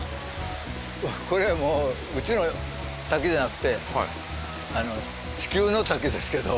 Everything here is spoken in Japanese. これはもううちの滝じゃなくて地球の滝ですけど。